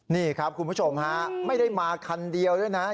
นี่ครับคุณผู้ชมฮะไม่ได้มาคันเดียวด้วยนะ